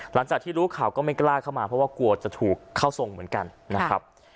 หลังจากที่รู้ข่าวก็ไม่กล้าเข้ามาเพราะว่ากลัวจะถูกเข้าทรงเหมือนกันนะครับ